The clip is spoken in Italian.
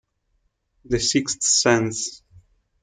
The Sixth Sense